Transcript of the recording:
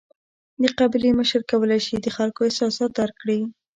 د قبیلې مشر کولای شي د خلکو احساسات درک کړي.